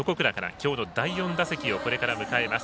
きょうの第４打席をこれから迎えます。